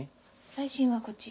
最新はこっち。